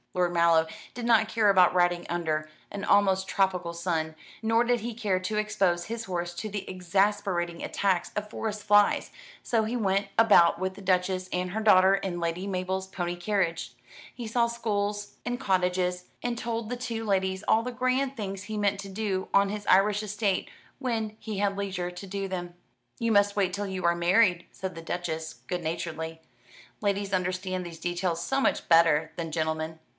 Lord Mallow did not care about riding under an almost tropical sun, nor did he care to expose his horse to the exasperating attacks of forest flies; so he went about with the Duchess and her daughter in Lady Mabel's pony carriage he saw schools and cottages and told the two ladies all the grand things he meant to do on his Irish estate when he had leisure to do them. "You must wait till you are married," said the Duchess good naturedly. "Ladies understand these details so much better than gentlemen.